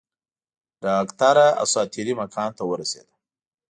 ډاکټره اساطیري مکان ته ورسېده.